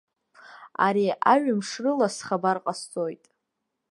Ари аҩымш рыла схабар ҟасҵоит.